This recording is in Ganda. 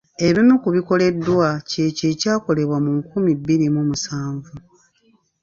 Ebimu ku bikoleddwa kyekyo ekyakolebwa mu nkumi bbiri mu musanvu.